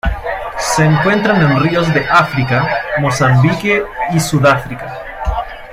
Se encuentran en ríos de África:Mozambique y Sudáfrica.